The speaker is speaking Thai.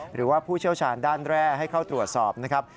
หรือว่าผู้เชี่ยวชาญด้านแร่ให้เข้าตรวจสอบนะครับ